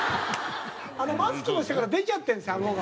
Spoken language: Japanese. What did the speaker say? マスクの下から出ちゃってるんですあごが。